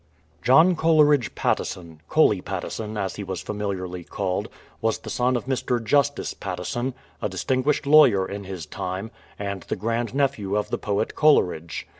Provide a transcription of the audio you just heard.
John Coleridge Patteson, Coley Patteson, as he was familiarly called, was the son of Mr. Justice Patteson, a distinguished lawyer in his time, and the grand nephew of the poet Coleridge.